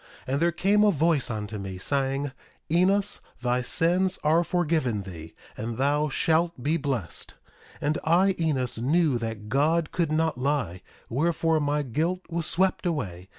1:5 And there came a voice unto me, saying: Enos, thy sins are forgiven thee, and thou shalt be blessed. 1:6 And I, Enos, knew that God could not lie; wherefore, my guilt was swept away.